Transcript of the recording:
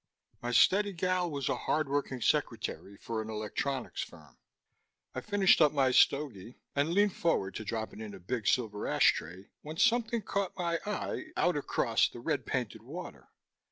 My steady gal was a hard working secretary for an electronics firm. I finished up my stogie and leaned forward to drop it in a big silver ashtray, when something caught my eye out across the red painted water.